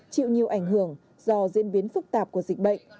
chịu nhiều ảnh hưởng do diễn biến phức tạp của dịch bệnh